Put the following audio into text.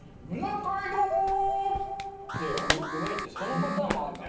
そのパターンもあるんだ。